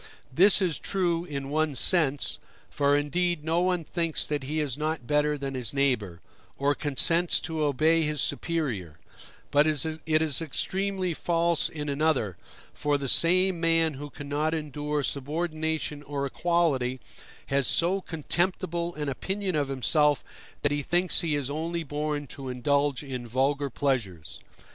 This is true in one sense, for indeed no one thinks that he is not better than his neighbor, or consents to obey his superior: but it is extremely false in another; for the same man who cannot endure subordination or equality, has so contemptible an opinion of himself that he thinks he is only born to indulge in vulgar pleasures.